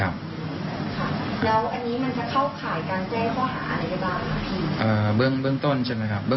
เบื้องต้นใช่ไหมครับ